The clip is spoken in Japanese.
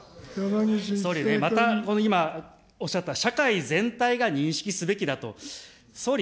総理ね、またおっしゃった、社会全体が認識すべきだと、総理、